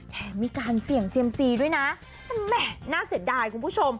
แถมมีการเสี่ยงเซียมซีด้วยนะมันแหม่น่าเสียดายคุณผู้ชม